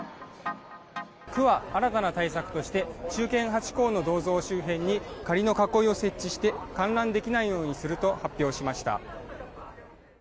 区は、新たな対策として忠犬ハチ公の銅像周辺に仮の囲いを設置して観覧できないようにすると発表しました。